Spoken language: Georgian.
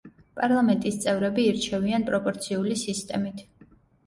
პარლამენტის წევრები ირჩევიან პროპორციული სისტემით.